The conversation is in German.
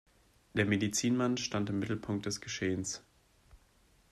Der Medizinmann stand im Mittelpunkt des Geschehens.